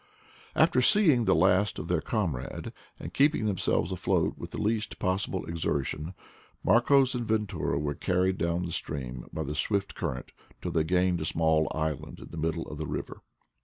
After seeing the last of their comrade, and keeping themselves afloat with the least possible exertion, Marcos and Ventura were carried down the stream by the swift current till they gained a small island in the middle of the river.